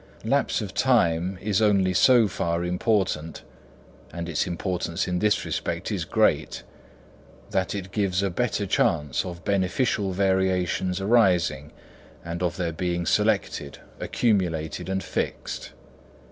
Lapse of time is only so far important, and its importance in this respect is great, that it gives a better chance of beneficial variations arising and of their being selected, accumulated, and fixed.